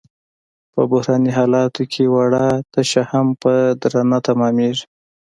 په بحراني حالاتو کې وړه تشه هم په درانه تمامېږي.